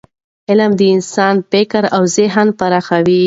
علم د انسان فکر او ذهن پراخوي.